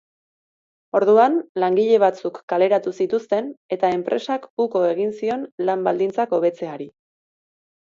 Orduan langile batzuk kaleratu zituzten eta enpresak uko egin zion lan-baldintzak hobetzeari.